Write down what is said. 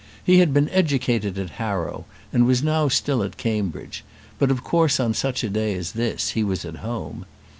He had been educated at Harrow, and was now still at Cambridge; but, of course, on such a day as this he was at home.